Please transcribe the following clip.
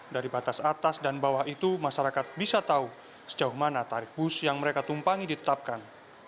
dari batas atas dan bawah itu masyarakat bisa tahu sejauh mana tarik bus yang mereka tumpangi ditetapkan